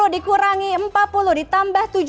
delapan puluh dikurangi empat puluh ditambah tujuh puluh dua